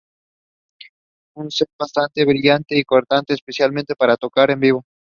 Un set bastante brillante y cortante, especial para tocar en vivo.